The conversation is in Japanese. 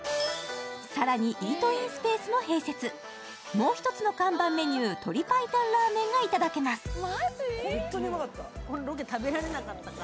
さらにイートインスペースも併設もう一つの看板メニュー鶏白湯ラーメンがいただけます